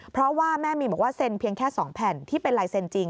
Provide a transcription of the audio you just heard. เพราะว่าแม่มีนบอกว่าเซ็นเพียงแค่๒แผ่นที่เป็นลายเซ็นจริง